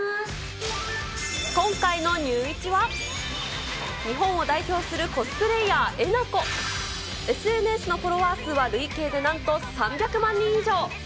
今回のＮＥＷイチは、日本を代表するコスプレーヤー、えなこ。ＳＮＳのフォロワー数は累計でなんと３００万人以上。